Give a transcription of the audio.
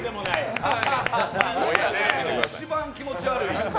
一番気持ち悪い。